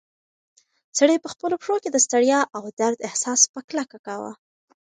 سړی په خپلو پښو کې د ستړیا او درد احساس په کلکه کاوه.